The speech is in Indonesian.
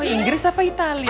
inggris apa itali